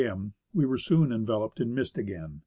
m., we were soon enveloped in mist again.